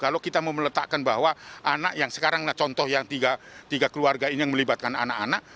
kalau kita mau meletakkan bahwa anak yang sekarang contoh yang tiga keluarga ini yang melibatkan anak anak